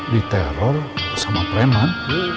diteror sama preman